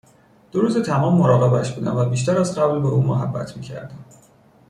دو روز تمام مراقبش بودم و بیشتر از قبل به او محبت میکردم